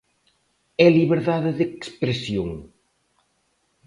¡É liberdade de expresión!